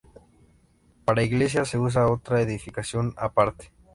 Para Iglesia se usa otra edificación aparte.